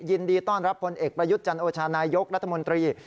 ยินดีต้อนรับผลเอกประยุทธ์จันโอชานายกรัฐมนตรี